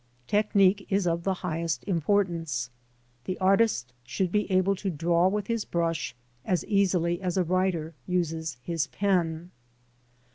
Technique is of the highest importance. The artist should be able to draw with his brush as easily as a writer uses his pen.